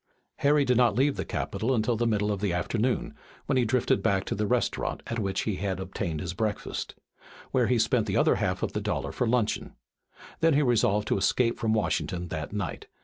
Harry did not leave the Capitol until the middle of the afternoon, when he drifted back to the restaurant at which he had obtained his breakfast, where he spent the other half of the dollar for luncheon. Then he resolved to escape from Washington that night.